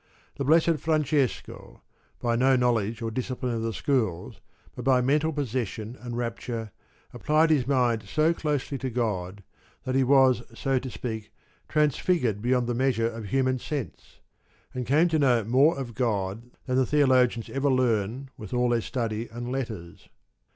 The Blessed Francesco, by no knowledge or discipline of the schools, but by mental possession and rapture, applied his mind so closely to God that he was so to speak transfigured beyond the measure of human sense, and came to know more of God than the theologians ever learn with all their study and letters.